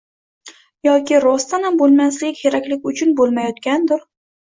Yoki rostanam bo‘lmasligi kerakligi uchun bo‘lmayotgandir.